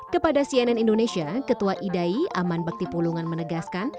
kepada cnn indonesia ketua idai aman bakti pulungan menegaskan